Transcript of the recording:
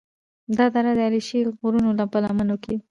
دا دره د علیشي د غرونو په لمنو کې